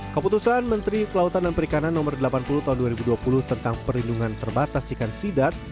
keputusan menteri kelautan dan perikanan nomor delapan puluh tahun dua ribu dua puluh tentang perlindungan terbatas ikan sidat